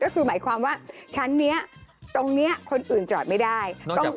ก็คือหมายความว่าชั้นนี้ตรงนี้คนอื่นจอดไม่ได้